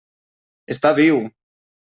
Està viu!